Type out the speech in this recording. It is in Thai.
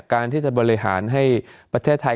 การที่จะบริหารให้ประเทศไทย